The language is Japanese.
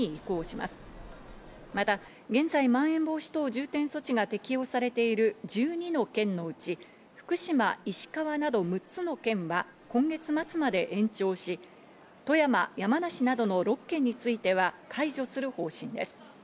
また現在、まん延防止等重点措置が適用されている１２の県のうち、福島、石川など６つの県は、今月末まで延長し、富山、山梨などの６県については解除する方針です。